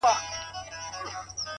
ډبري غورځوې تر شا لاسونه هم نیسې _